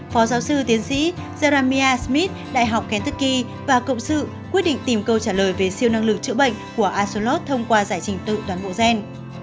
phó giáo sư tiến sĩ jeremiah smith đại học kentucky và công sự quyết định tìm câu trả lời về siêu năng lực chữa bệnh của axolotl thông qua giải trình tự toán bộ gen